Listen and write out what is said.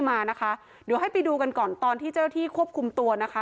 มานะคะเดี๋ยวให้ไปดูกันก่อนตอนที่เจ้าหน้าที่ควบคุมตัวนะคะ